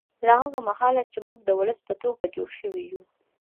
له هغه مهاله چې موږ د ولس په توګه جوړ شوي یو